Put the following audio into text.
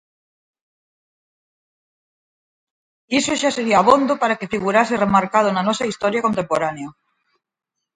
Iso xa sería abondo para que figurase remarcado na nosa historia contemporánea.